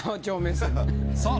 さあ